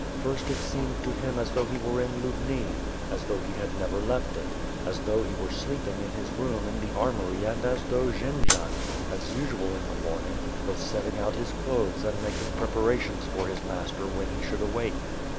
First it seemed to him as though he were in Lubni; as though he had never left it; as though he were sleeping in his room in the armory and as though Jendzian, as usual in the morning, was setting out his clothes and making preparations for his master when he should awake.